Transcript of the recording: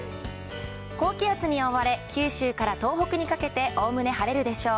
高気圧に覆われ、九州から東北にかけておおむね晴れるでしょう。